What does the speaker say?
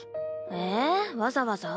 ええわざわざ？